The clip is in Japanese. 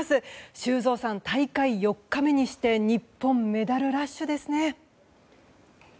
修造さん、大会４日目にして日本メダルラッシュですね。